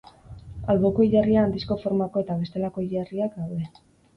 Alboko hilerrian disko-formako eta bestelako hilarriak daude.